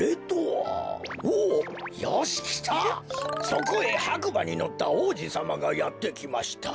「そこへはくばにのったおうじさまがやってきました。